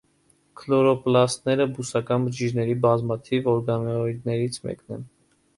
Քլորոպլաստաները բուսական բջիջների բազմաթիվ օրգանոիդներից մեկն են։